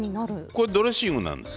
これドレッシングなんです。